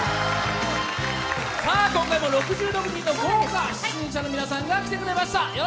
今回も６６人の豪華出演者の皆さんが来てくれました！